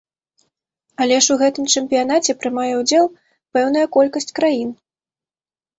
Але ж у гэтым чэмпіянаце прымае ўдзел пэўная колькасць краін.